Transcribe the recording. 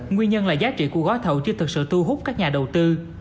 nguyên nhân là giá trị của gói thầu chưa thực sự thu hút các nhà đầu tư